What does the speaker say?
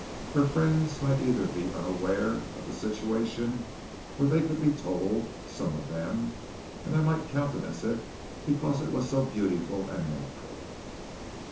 Her friends might either be unaware of the situation, or they could be told, some of them, and they might countenance it because it was so beautiful and natural!